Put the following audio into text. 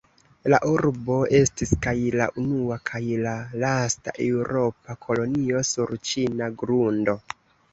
La urbo estis kaj la unua kaj la lasta eŭropa kolonio sur ĉina grundo.